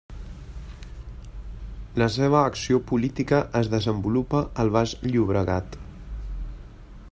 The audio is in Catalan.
La seva acció política es desenvolupa al Baix Llobregat.